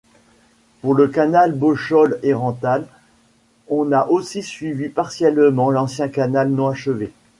Pour le Canal Bocholt-Herentals, on a aussi suivi partiellement l'ancien canal non achevé.